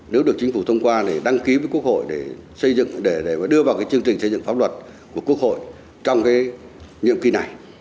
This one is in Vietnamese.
nếu được chính phủ thông qua thì đăng ký với quốc hội để đưa vào chương trình xây dựng pháp luật của quốc hội trong nhiệm kỳ này